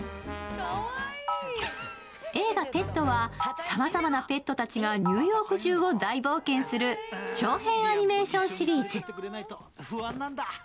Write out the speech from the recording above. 映画映画「ペット」はさまざまなペットたちがニューヨーク中を大冒険する長編アニメーションシリーズ。